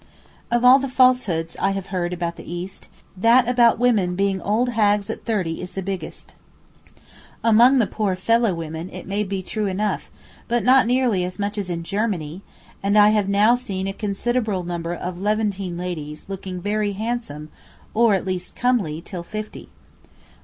Of all the falsehoods I have heard about the East, that about women being old hags at thirty is the biggest. Among the poor fellah women it may be true enough, but not nearly as much as in Germany; and I have now seen a considerable number of Levantine ladies looking very handsome, or at least comely, till fifty.